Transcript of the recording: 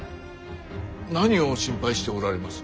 何を心配しておられます。